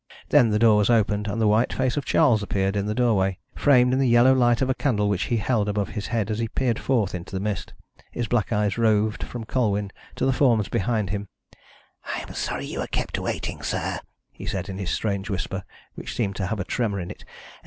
Then the door was opened, and the white face of Charles appeared in the doorway, framed in the yellow light of a candle which he held above his head as he peered forth into the mist. His black eyes roved from Colwyn to the forms behind him. "I'm sorry you were kept waiting, sir," he said, in his strange whisper, which seemed to have a tremor in it.